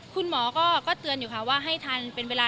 คุณหมอก็เตือนอยู่ค่ะว่าให้ทันเป็นเวลา